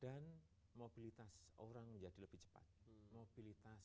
dan mobilitas orang menjadi lebih cepat